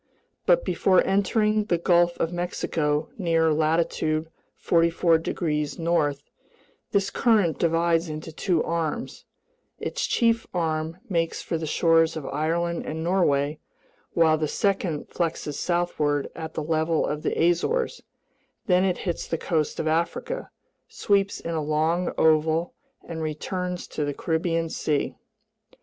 But before entering the Gulf of Mexico near latitude 44 degrees north, this current divides into two arms; its chief arm makes for the shores of Ireland and Norway while the second flexes southward at the level of the Azores; then it hits the coast of Africa, sweeps in a long oval, and returns to the Caribbean Sea.